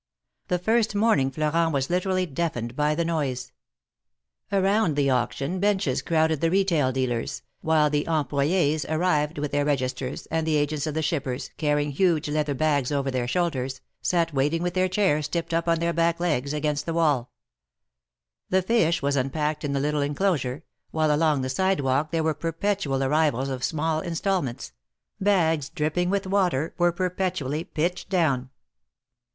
The first morning Florent was literally deafened by the noise. Around the auction benches crowded the retail dealers, while the employes arrived with their regis ters, and the agents of the shippers, carrying huge leather 124 THE MARKETS OF PARIS. bags over their shoulders, sat waiting with their chairs tipped up on their back legs against the wall. The fish was unpacked in the little enclosure, while along the sidewalk there were perpetual arrivals of small instal ments — bags dripping with water were perpetually pitched down.